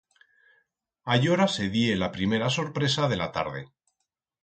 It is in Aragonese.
Allora se die la primera sorpresa de la tarde.